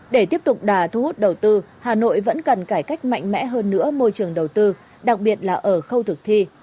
để tiếp tục đà thu hút đầu tư hà nội vẫn cần cải cách mạnh mẽ hơn nữa môi trường đầu tư đặc biệt là ở khâu thực thi